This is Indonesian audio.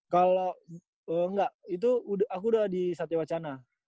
kalo enggak itu aku udah di satyawetana